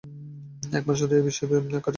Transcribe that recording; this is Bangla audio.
এক মাস ধরে এ বিষয়ে বিচার কার্যক্রম চলে।